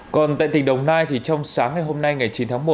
còn tại tỉnh đồng nai thì trong sáng ngày hôm nay ngày chín tháng một